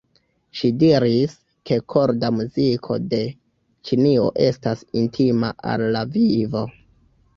Ŝi diris, ke korda muziko de Ĉinio estas intima al la vivo.